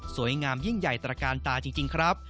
สวยงามยิ่งใหญ่ตราการตาจริงครับ